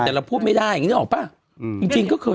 แต่เราพูดไม่ได้อย่างนี้นึกออกป่ะจริงก็เคย